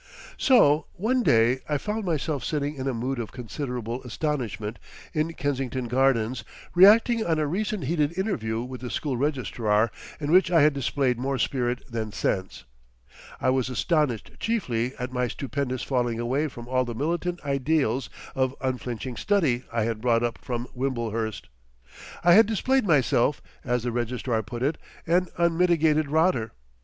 So one day I found myself sitting in a mood of considerable astonishment in Kensington Gardens, reacting on a recent heated interview with the school Registrar in which I had displayed more spirit than sense. I was astonished chiefly at my stupendous falling away from all the militant ideals of unflinching study I had brought up from Wimblehurst. I had displayed myself, as the Registrar put it, "an unmitigated rotter."